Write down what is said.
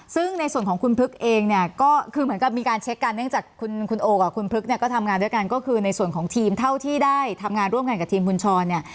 ซึ่งในส่วนของคุณพลึกเองเนี่ยก็คือเหมือนกับมีการเช็คกันเนื่องจากคุณโอกับคุณพลึกเนี่ยก็ทำงานด้วยกันก็คือในส่วนของทีมเท่าที่ได้ทำงานร่วมกันกับทีมคุณชรเนี่ย